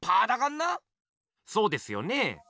そうですよね。